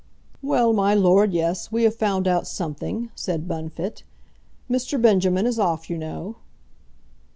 "Well, my lord; yes; we have found out something," said Bunfit. "Mr. Benjamin is off, you know."